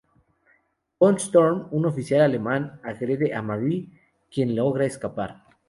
Von Storm, un oficial alemán, agrede a Marie, quien logra escapar.